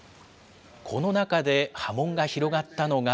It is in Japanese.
この中で、波紋が広がったのが。